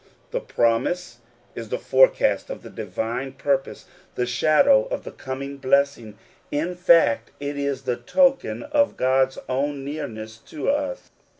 The promise is the forecast of the divine purpose, the shadow of the coming blessing ; in fact, it is the token of God*s own nearness to us.